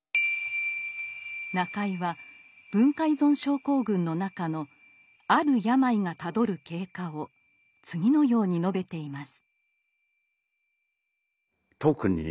中井は文化依存症候群の中の「ある病」がたどる経過を次のように述べています。